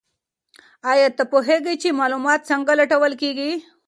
ایا ته پوهېږې چې معلومات څنګه لټول کیږي؟